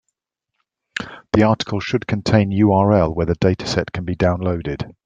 The article should contain URL where the dataset can be downloaded.